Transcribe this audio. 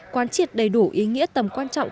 quán triệt đầy đủ ý nghĩa tầm quan trọng